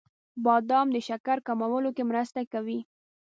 • بادام د شکر کمولو کې مرسته کوي.